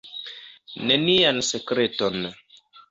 Nenian sekreton.